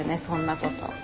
そんなこと。